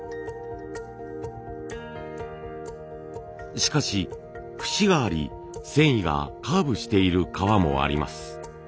しかし節があり繊維がカーブしている皮もあります。